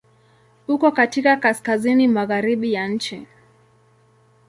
Uko katika kaskazini-magharibi ya nchi.